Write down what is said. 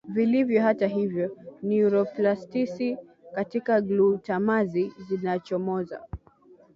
vilivyo Hata hivyo neuroplastisi katika glutamati zinazochomoza